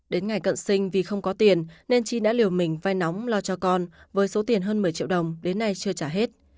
đến ngày cận sinh vì không có tiền nên chi đã liều mình vai nóng lo cho con với số tiền hơn một mươi triệu đồng đến nay chưa trả hết